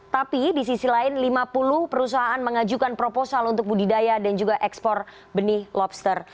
tapi di sisi lain lima puluh perusahaan mengajukan proposal untuk budidaya dan juga ekspor benih lobster